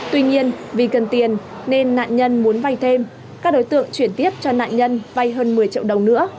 tuy nhiên vì cần tiền nên nạn nhân muốn vay thêm các đối tượng chuyển tiếp cho nạn nhân vay hơn một mươi triệu đồng nữa